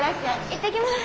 行ってきます。